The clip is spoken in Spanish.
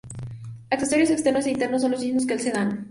Accesorios externos e internos son los mismos que el sedán.